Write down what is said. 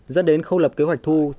dẫn đến khâu lập kế hoạch thu